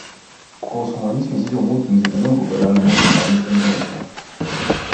Koos humanismi sisu muutumisega nõukogude ajal muutus ka andestamise mõiste.